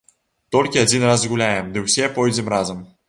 Толькі адзін раз згуляем, ды ўсе пойдзем разам.